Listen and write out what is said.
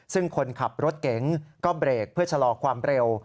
ซึ่งคนขับรถเก๋งก็เบรกเพื่อชะลอความเร็ว